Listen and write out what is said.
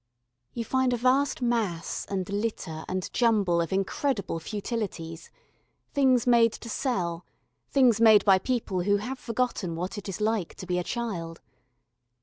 You find a vast mass and litter and jumble of incredible futilities things made to sell, things made by people who have forgotten what it is like to be a child.